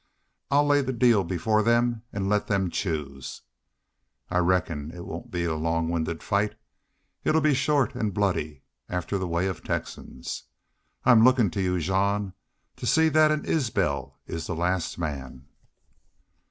I'll lay the deal before them an' let them choose. I reckon it 'll not be a long winded fight. It 'll be short an bloody, after the way of Texans. I'm lookin' to you, Jean, to see that an Isbel is the last man!"